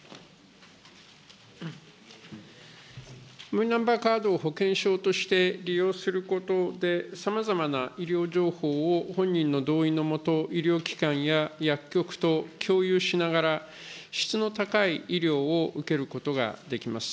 マイナンバーカードを保険証として利用することで、さまざまな医療情報を本人の同意のもと、医療機関や薬局と共有しながら、質の高い医療を受けることができます。